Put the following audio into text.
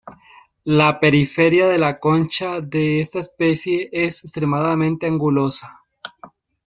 La periferia de la concha de esta especie es extremadamente angulosa.